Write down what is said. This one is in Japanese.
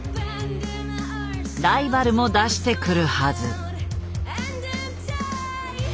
ライバルも出してくるはず。